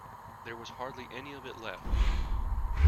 There was hardly any of it left.